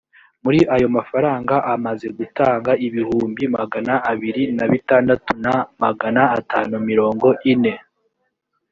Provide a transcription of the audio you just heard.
muri ayo mafaranga amaze gutanga ibihumbi magana abiri na bitandatu na magana atanu mirongo ine